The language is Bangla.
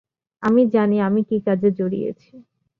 আমি জানি আমি কী কাজে জড়িয়েছি।